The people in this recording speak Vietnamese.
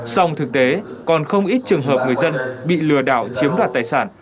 song thực tế còn không ít trường hợp người dân bị lừa đảo chiếm đoạt tài sản